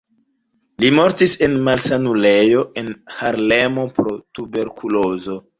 Li mortis en malsanulejo en Harlemo pro tuberkulozo.